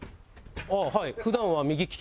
ああはい。